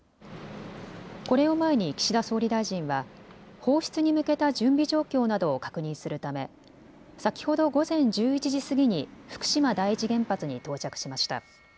これを前に岸田総理大臣は放出に向けた準備状況などを確認するため先ほど午前１１時過ぎに福島第一原発に到着しました。